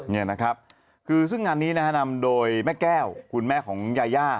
นี่นะครับคือซึ่งงานนี้นะฮะนำโดยแม่แก้วคุณแม่ของยาย่า